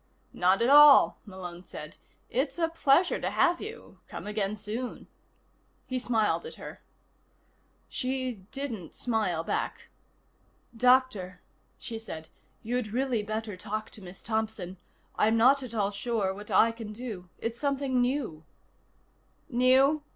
"Not at all," Malone said. "It's a pleasure to have you. Come again soon." He smiled at her. She didn't smile back. "Doctor," she said, "you'd really better talk to Miss Thompson. I'm not at all sure what I can do. It's something new." "New?"